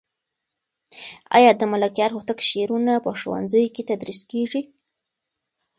آیا د ملکیار هوتک شعرونه په ښوونځیو کې تدریس کېږي؟